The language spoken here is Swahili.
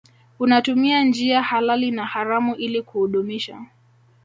Unatumia njia halali na haramu ili kuudumisha